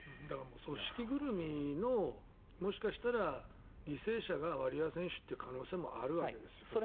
組織ぐるみのもしかしたら、犠牲者がワリエワ選手という可能性もあるわけですよね。